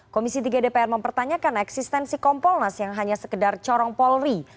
komisi tiga dpr mempertanyakan eksistensi kompolnas yang hanya sekedar corong polri